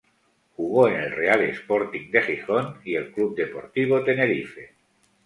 Jugó en el Real Sporting de Gijón y el C. D. Tenerife.